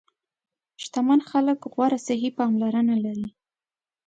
شتمن خلک غوره صحي پاملرنه لري.